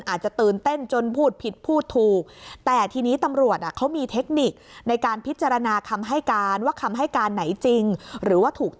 อาจจะตื่นเต้นจนพูดผิดพูดถูก